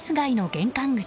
玄関口